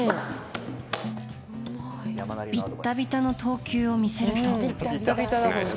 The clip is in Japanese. ビタビタの投球を見せると。